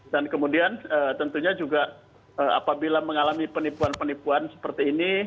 dan kemudian tentunya juga apabila mengalami penipuan penipuan seperti ini